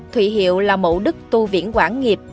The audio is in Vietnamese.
thủy hiệu là mẫu đức tu viễn quản nghiệp